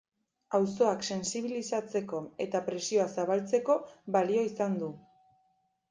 Auzoak sentsibilizatzeko eta presioa zabaltzeko balio izan du.